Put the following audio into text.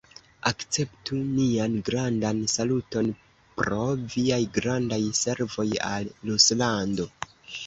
Akceptu nian grandan saluton pro viaj grandaj servoj al Ruslando!